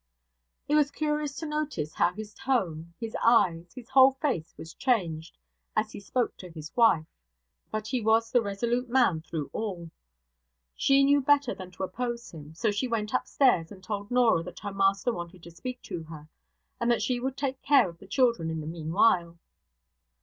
It was curious to notice how his tone, his eyes, his whole face was changed, as he spoke to his wife; but he was the resolute man through all. She knew better than to oppose him; so she went upstairs, and told Norah that her master wanted to speak to her, and that she would take care of the children in the meanwhile.